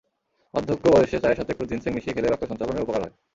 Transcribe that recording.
বার্ধক্যে বয়সে, চায়ের সাথে একটু জিনসেং মিশিয়ে খেলে রক্ত সঞ্চালনের উপকার হয়।